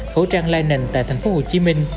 khẩu trang linen tại tp hcm